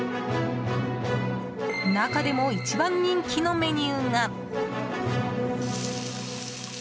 中でも一番人気のメニューが。